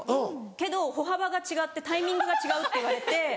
けど歩幅が違ってタイミングが違うって言われて。